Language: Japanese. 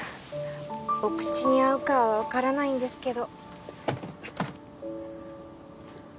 お口に合うかはわからないんですけど。